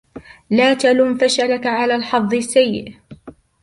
لا تلُمْ فشلك على الحظ السيء.